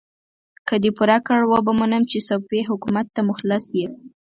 که دې پوره کړ، وبه منم چې صفوي حکومت ته مخلص يې!